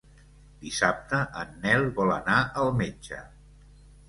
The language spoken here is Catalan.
Dissabte en Nel vol anar al metge.